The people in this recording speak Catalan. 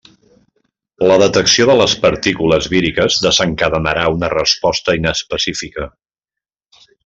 La detecció de les partícules víriques desencadenarà una resposta inespecífica.